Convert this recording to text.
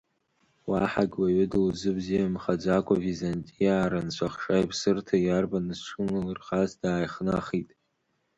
Уаҳагь уаҩы дылзыбзиамхаӡакәа, Византиаа рынцәахша иԥсырҭа иарбаны зҿыналырхаз дааихнахит.